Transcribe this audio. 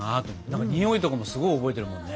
何かにおいとかもすごい覚えてるもんね。